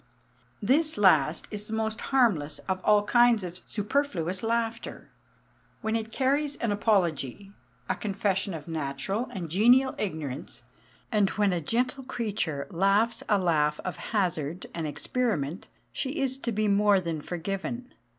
This last is the most harmless of all kinds of superfluous laughter. When it carries an apology, a confession of natural and genial ignorance, and when a gentle creature laughs a laugh of hazard and experiment, she is to be more than forgiven.